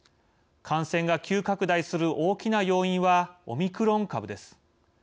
感染が急拡大する大きな要因はオミクロン株です。